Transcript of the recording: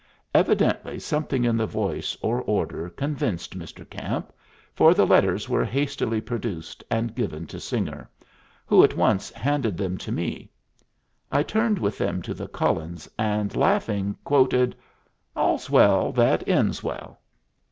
Evidently something in the voice or order convinced Mr. Camp, for the letters were hastily produced and given to Singer, who at once handed them to me. I turned with them to the Cullens, and, laughing, quoted, "'All's well that ends well.'"